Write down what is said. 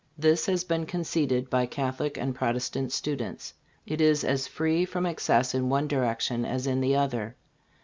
This has been conceded by Catholic and Protestant students. It is as free from excess in one direction as in the other.